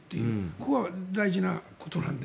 ここは大事なことなので。